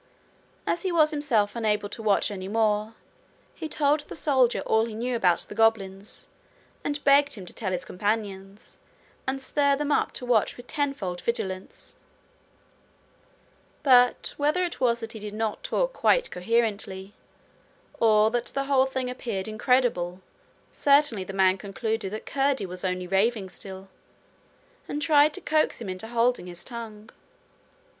As he was himself unable to watch any more, he told the soldier all he knew about the goblins, and begged him to tell his companions, and stir them up to watch with tenfold vigilance; but whether it was that he did not talk quite coherently, or that the whole thing appeared incredible, certainly the man concluded that Curdie was only raving still, and tried to coax him into holding his tongue.